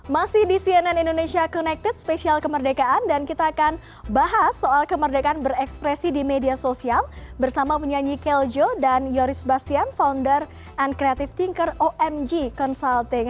masih di cnn indonesia connected spesial kemerdekaan dan kita akan bahas soal kemerdekaan berekspresi di media sosial bersama penyanyi keljo dan yoris bastian founder and creative thinker omg consulting